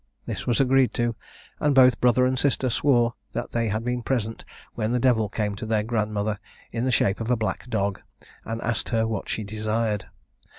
This was agreed to, and both brother and sister swore that they had been present, when the Devil came to their grandmother, in the shape of a black dog, and asked her what she desired.